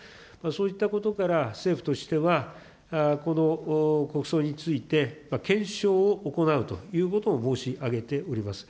そういったことから、政府としては、この国葬について、検証を行うということを申し上げております。